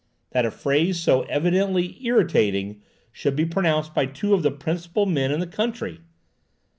That a phrase so evidently irritating should be pronounced by two of the principal men in the country!